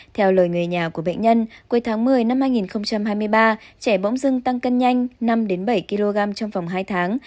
theo lời người nhà của bệnh nhân cuối tháng một mươi năm hai nghìn hai mươi ba trẻ bóng dưng tăng cân nhanh năm bảy kg trong vòng hai tháng